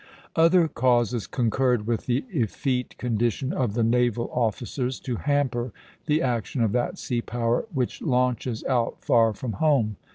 Other causes concurred with the effete condition of the naval officers to hamper the action of that sea power which launches out far from home.